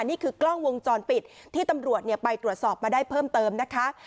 นี่คือกล้องวงจรปิดที่ตำรวจไปตรวจสอบมาได้เพิ่มเติมนะคะ